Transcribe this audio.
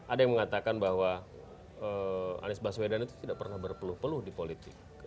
ada yang mengatakan bahwa anies baswedan itu tidak pernah berpeluh peluh di politik